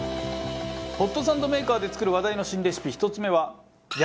ホットサンドメーカーで作る話題の新レシピ。